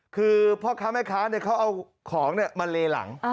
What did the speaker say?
คือพ่อค้าแม่ค้าเขาเอาของมาเลหลัง